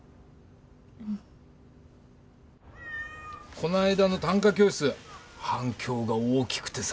この間の短歌教室反響が大きくてさ。